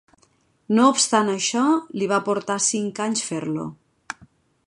No obstant això, li va portar cinc anys fer-lo.